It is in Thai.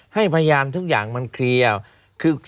พยานทุกอย่างมันเคลียร์